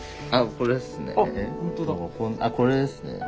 あこれですね。